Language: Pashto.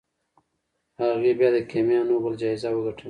هغې بیا د کیمیا نوبل جایزه وګټله.